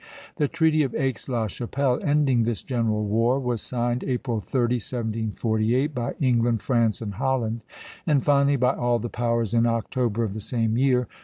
The Treaty of Aix la Chapelle, ending this general war, was signed April 30, 1748, by England, France, and Holland, and finally by all the powers in October of the same year.